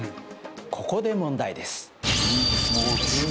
ここで問題です。